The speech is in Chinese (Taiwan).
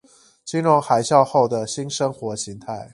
金融海嘯後的新生活形態